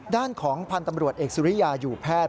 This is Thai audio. ด้านของพันธ์ตำรวจเอกสุริยาอยู่แพทย์